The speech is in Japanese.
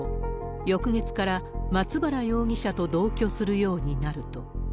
翌月から松原容疑者と同居するようになると。